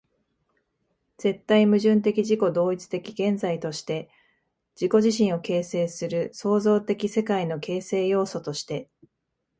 絶対矛盾的自己同一的現在として、自己自身を形成する創造的世界の形成要素として、